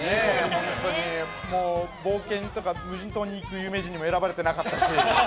本当に冒険とか無人島に行く有名人にも選ばれてなかったし。